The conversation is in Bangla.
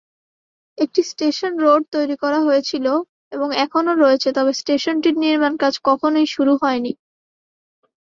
একটি "স্টেশন রোড" তৈরি করা হয়েছিল, এবং এখনও রয়েছে, তবে স্টেশনটির নির্মাণকাজ কখনই শুরু হয়নি।